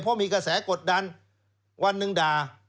เพราะมีกระแสกดดันวันหนึ่งด่า